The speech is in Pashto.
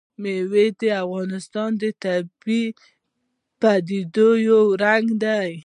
مېوې د افغانستان د طبیعي پدیدو یو رنګ دی.